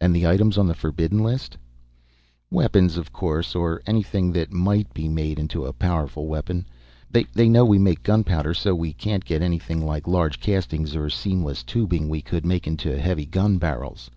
"And the items on the forbidden list ?" "Weapons, of course, or anything that might be made into a powerful weapon. They know we make gunpowder so we can't get anything like large castings or seamless tubing we could make into heavy gun barrels.